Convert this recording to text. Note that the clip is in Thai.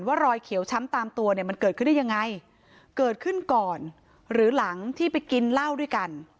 รอยเขียวช้ำตามตัวเนี่ยมันเกิดขึ้นได้ยังไงเกิดขึ้นก่อนหรือหลังที่ไปกินเหล้าด้วยกัน